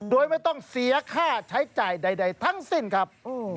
โดยไม่ต้องเสียค่าใช้จ่ายใดทั้งสิ้นครับ